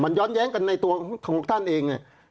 ย้อนแย้งกันในตัวของท่านเอง